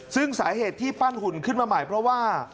ซึ่งสาเหตุที่ปั้นหุ่นขึ้นมาใหม่เพราะว่า